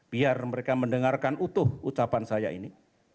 biar mereka mendengarkan utuh ucapan saya ini